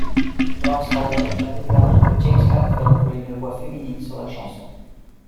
Lars Ulrich a déclaré que James Hetfield voulait une voix féminine sur la chanson.